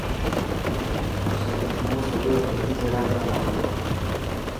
هون سجو هيڪي جڳهه تا لان تو.